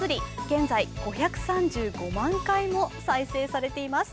現在、５３５万回も再生されています。